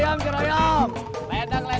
yang pun masih dalam